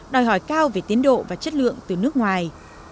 đòi hỏi cao về tiến độ và chất lượng từ nước ngoài